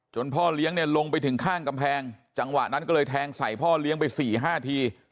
จนพ่อเลี้ยงลงไปถึงข้างกำแพงจังหวะนั้นก็เลยแทงใส่พ่อเลี้ยงไป๔๕ที